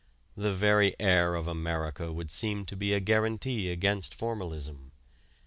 The very air of America would seem to be a guarantee against formalism.